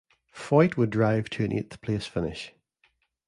Foyt would drive to an eighth-place finish.